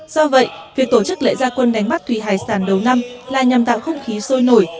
do vậy việc tổ chức lễ gia quân đánh bắt thủy hải sản đầu năm là nhằm tạo không khí sôi nổi